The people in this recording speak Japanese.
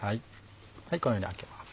このように開けます。